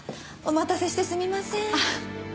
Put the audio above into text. お待たせしてすみません。